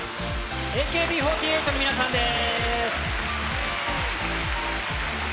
ＡＫＢ４８の皆さんです。